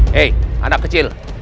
hei anak kecil